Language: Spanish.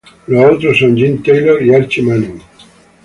Los otros son Jim Taylor y Archie Manning.